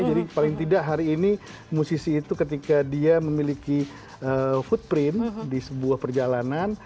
paling tidak hari ini musisi itu ketika dia memiliki footprint di sebuah perjalanan